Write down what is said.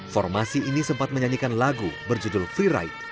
formasi ini sempat menyanyikan lagu berjudul freeride